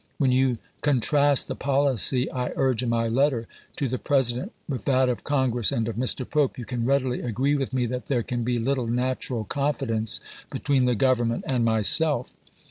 When you contrast the policy I urge in my letter to the President with that of Congress and of Mr. Pope, you can readily agree with me that there can be little natural confi dence between the Government and myself.